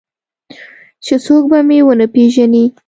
چې څوک به مې ونه پېژني.